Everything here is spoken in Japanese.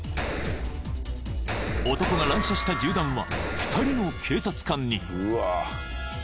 ［男が乱射した銃弾は２人の警察官に］